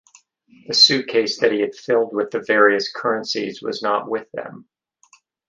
The suitcase that he had filled with the various currencies was not with them.